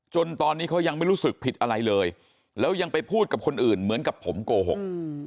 จนตอนนี้เขายังไม่รู้สึกผิดอะไรเลยแล้วยังไปพูดกับคนอื่นเหมือนกับผมโกหก